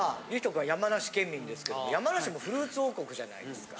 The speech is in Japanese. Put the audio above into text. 君は山梨県民ですけど山梨もフルーツ王国じゃないですか。